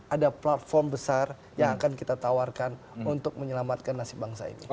ada platform besar yang akan kita tawarkan untuk menyelamatkan nasib bangsa ini